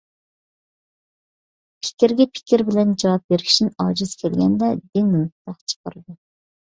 پىكىرگە پىكىر بىلەن جاۋاب بېرىشتىن ئاجىز كەلگەندە دىنىدىن پۇتاق چىقىرىدۇ.